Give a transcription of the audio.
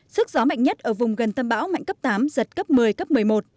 sức gió mạnh nhất ở vùng gần tâm bão mạnh cấp tám giật cấp một mươi cấp một mươi một